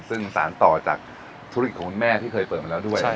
ซึ่งสารต่อจากธุรกิจของคุณแม่ที่เคยเปิดมาแล้วด้วย